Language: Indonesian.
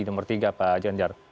nomor tiga pak ganjar